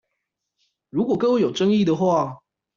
如果各位有爭議的話